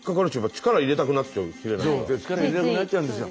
力入れたくなっちゃうんですよ